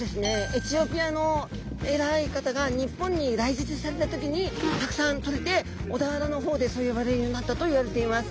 エチオピアの偉い方が日本に来日された時にたくさんとれて小田原の方でそう呼ばれるようになったといわれています。